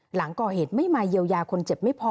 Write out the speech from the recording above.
หลังก่อเหตุไม่มาเยียวยาคนเจ็บไม่พอ